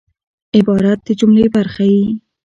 عبارت د جملې برخه يي.